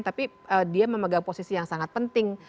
tapi dia memegang posisi yang sangat penting